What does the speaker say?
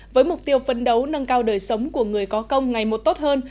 với mục tiêu phấn đấu nâng cao đời sống của người có công ngày một tốt hơn